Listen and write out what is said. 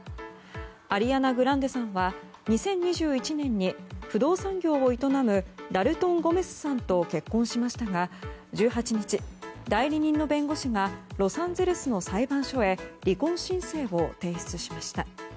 アリアナ・グランデさんは２０２１年に不動産業を営むダルトン・ゴメスさんと結婚しましたが１８日、代理人の弁護士がロサンゼルスの裁判所へ離婚申請を提出しました。